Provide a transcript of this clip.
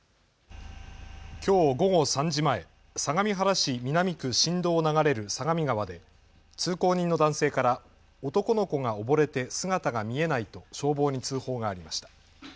きょう午後３時前、相模原市南区新戸を流れる相模川で通行人の男性から男の子が溺れて姿が見えないと消防に通報がありました。